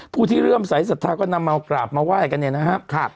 ผู้ที่เรื่อยรัมศัลธาก็นำมากราบมาว่ายกันเนี่ยนะครับ